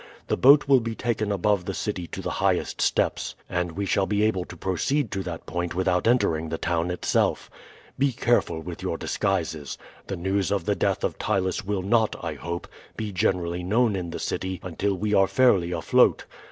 The boat will be taken above the city to the highest steps; and we shall be able to proceed to that point without entering the town itself. Be careful with your disguises. The news of the death of Ptylus will not, I hope, be generally known in the city until we are fairly afloat.